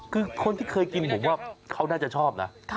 คือคนที่เคยกินผมว่าเขาน่าจะชอบนะ